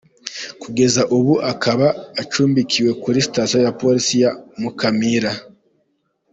Kugeza ubu akaba acumbikiwe kuri Station ya Police ya Mukamira.